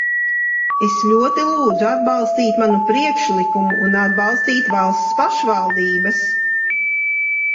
Es ļoti lūdzu atbalstīt manu priekšlikumu un atbalstīt valsts pašvaldības.